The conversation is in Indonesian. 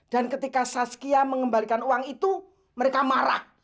dan ketika saskia mengembalikan uang itu mereka marah